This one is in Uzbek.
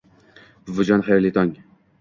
- buvijon, xayrli tong!